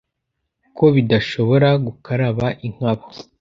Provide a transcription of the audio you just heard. ko bidashobora gukaraba inkaba